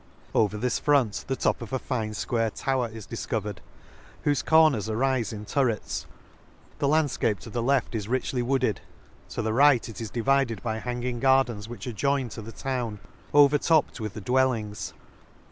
Over this front the top of a fine fquare tower is difcovered, whofe cor ners arife in turrets. The landfcape to the left is richly wooded; — to the right it is divided by hanging gardens which adjoin to the town, overtopped with the dwellings.